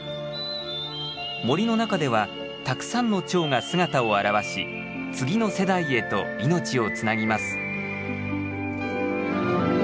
森の中ではたくさんのチョウが姿を現し次の世代へと命をつなぎます。